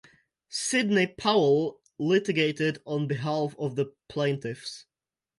Sidney Powell litigated on behalf of the plaintiffs.